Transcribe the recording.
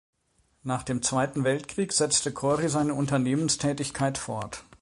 Nach dem Zweiten Weltkrieg setzte Kori seine Unternehmenstätigkeit fort.